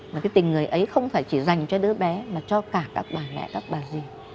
mà cái tình người ấy không phải chỉ dành cho đứa bé mà cho cả các bà mẹ các bà gì